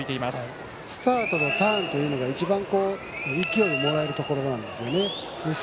スタートとターンというのが一番、勢いをもらえるところです。